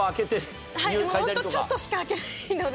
ホントちょっとしか開けないので。